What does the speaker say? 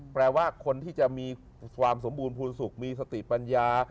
แปลว่าคนที่จะมีความสมบูรณ์ภูมิสุขมีสติปัญญา